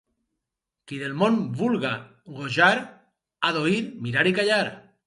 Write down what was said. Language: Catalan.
Qui del món vulga gojar, ha d'oir, mirar i callar.